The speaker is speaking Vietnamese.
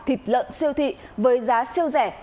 thịt lợn siêu thị với giá siêu rẻ